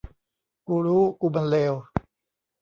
กูรู้ กูมันเลว